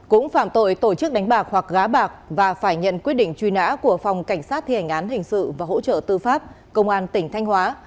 cũng phạm tội tổ chức đánh bạc hoặc gá bạc và phải nhận quyết định truy nã của phòng cảnh sát thi hành án hình sự và hỗ trợ tư pháp công an tỉnh thanh hóa